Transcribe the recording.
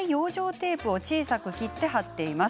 テープを小さく切って貼っています。